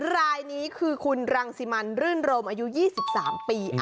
รายนี้คือคุณรังสิมันรื่นรมอายุ๒๓ปี